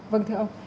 vâng thưa ông